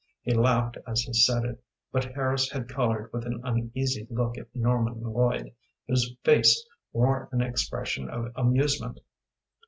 He laughed as he said it, but Harris had colored with an uneasy look at Norman Lloyd, whose face wore an expression of amusement.